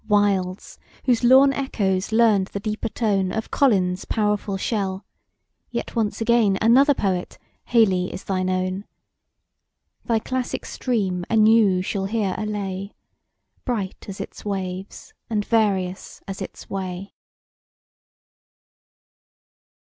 Wilds, whose lorn echoes learned the deeper tone Of Collins' powerful shell! yet once again Another poet Hayley is thine own! Thy classic stream anew shall hear a lay, Bright as its waves, and various as its way.